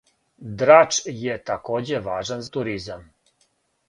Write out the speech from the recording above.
Драч је такође важан за туризам.